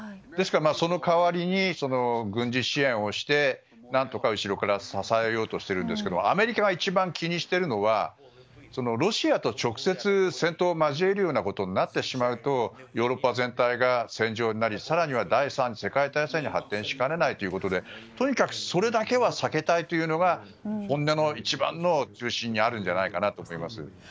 ですからその代わりに軍事支援をして何とか後ろから支えようとしてるんですけどアメリカが一番気にしているのはロシアと直接戦闘を交えるようなことになってしまうとヨーロッパ全体が戦場になり更には第３次世界大戦に発展しかねないということでとにかくそれだけは避けたいというのが本音の一番の中心にあると思います。